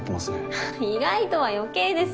ははっ意外とは余計です。